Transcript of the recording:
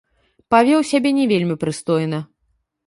Павёў сябе не вельмі прыстойна.